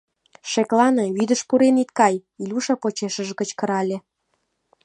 — Шеклане, вӱдыш пурен ит кай! — Илюша почешыже кычкырале.